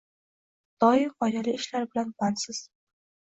Doim foydali ishlar bilan bandsiz.